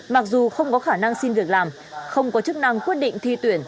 mặc dù không có khả năng xin việc làm không có chức năng quyết định thi tuyển